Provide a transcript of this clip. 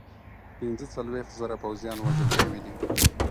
پنځه څلوېښت زره پوځیان وژل شوي دي.